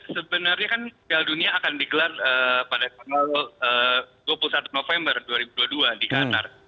sebenarnya kan piala dunia akan digelar pada tanggal dua puluh satu november dua ribu dua puluh dua di qatar